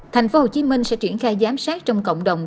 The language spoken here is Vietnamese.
tp hcm sẽ triển khai giám sát trong cộng đồng